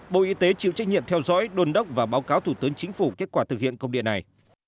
bộ y tế chịu trách nhiệm theo dõi đồn đốc và báo cáo thủ tướng chính phủ kết quả thực hiện công điện này